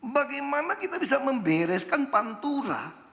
bagaimana kita bisa membereskan pantura